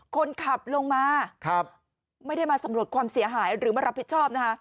คนขับลงมาไม่ได้มาสำรวจความเสียหายหรือมารับผิดชอบนะคะ